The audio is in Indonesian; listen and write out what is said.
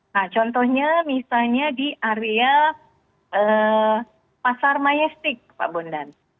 nah contohnya misalnya di area pasar majestik pak bondan